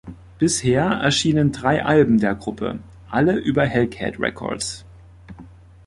Bisher erschienen drei Alben der Gruppe, alle über Hellcat Records.